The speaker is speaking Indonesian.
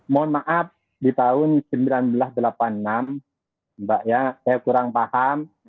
mohon maaf di tahun seribu sembilan ratus delapan puluh enam mbak ya saya kurang paham